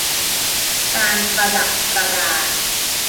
การประดับประดา